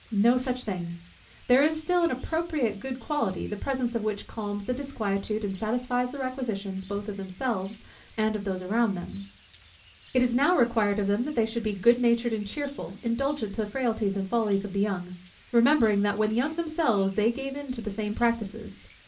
No such thing! There is still an appropriate good quality, the presence of which calms the disquietude, and satisfies the requisitions both of themselves and of those around them. It is now required of them that they should be good natured and cheerful, indulgent to the frailties and follies of the young; remembering, that when young themselves they gave into the same practices.